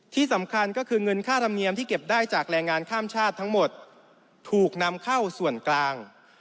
ที่สำคัญก็คือเงินค่าธรรมเนียมที่เก็บได้จากแรงงานข้ามชาติทั้งหมดถูกนำเข้าส่วนกลาง